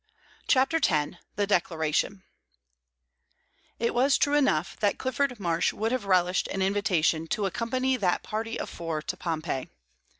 CHAPTER X THE DECLARATION It was true enough that Clifford Marsh would have relished an invitation to accompany that party of four to Pompeii.